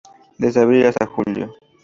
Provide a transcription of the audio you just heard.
Desde abril hasta julio, fr.